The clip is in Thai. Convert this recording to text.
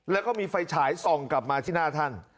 แล้วก็มีไฟฉายส่องกลับมาที่หน้าท่าน